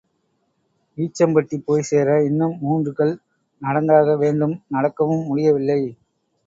ஈச்சம்பட்டி போய்ச் சேர இன்னும் மூன்று கல் நடந்தாக வேண்டும் நடக்கவும் முடியவில்லை.